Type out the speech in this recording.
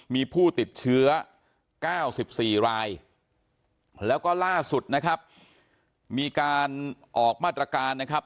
มีผู้ติดเชื้อ๙๔รายแล้วก็ล่าสุดนะครับ